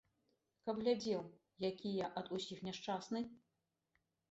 Каб глядзеў, які я ад усіх няшчасны?